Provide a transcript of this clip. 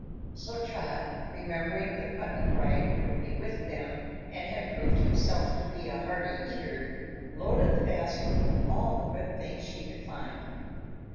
So Trot, remembering that Button Bright would be with them and had proved himself to be a hearty eater, loaded the basket with all the good things she could find.